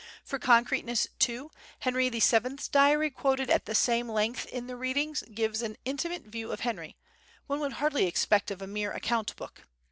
For concreteness, too, Henry VII's diary quoted at some length in the "Readings" gives an intimate view of Henry, one would hardly expect of a mere account book.